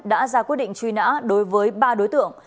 đã ra quyết định truy nã đối với ba đối tượng